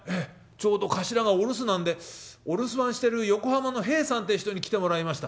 ちょうど棟梁がお留守なんでお留守番してる横浜の平さんって人に来てもらいました。